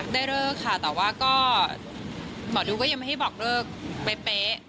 ได้เลิกค่ะแต่ว่าก็หมอดูก็ยังไม่ให้บอกเลิกเป๊ะ